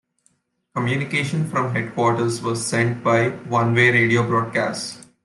Communication from headquarters were sent by one-way radio broadcasts.